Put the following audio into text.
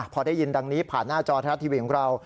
พอได้ยินดังนี้ผ่านหน้าจอไทยรัฐทีวีของเรา